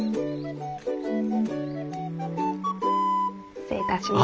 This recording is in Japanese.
失礼いたします。